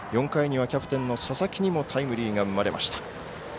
４回にはキャプテンの佐々木にもタイムリーが生まれました。